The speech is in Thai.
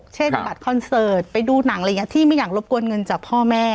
เช่นบัตรคอนเสิร์ตไปดูหนังอะไรอย่างนี้ที่ไม่อยากรบกวนเงินจากพ่อแม่